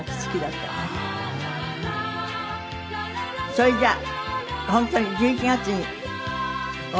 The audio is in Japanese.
それじゃあ本当に１１月にお会いしましょう。